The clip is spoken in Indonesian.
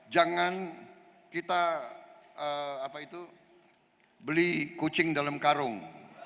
jangan kita beli kucing dalam karung